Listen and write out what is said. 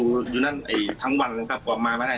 ก็อยู่นั่นทั้งวันครับปลอมมาไม่ได้